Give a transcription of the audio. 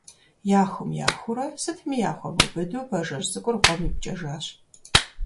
Яхум-яхуурэ – сытми яхуэмубыду Бажэжь цӀыкӀур гъуэм ипкӀэжащ.